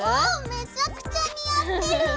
めちゃくちゃ似合ってる！